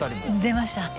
出ました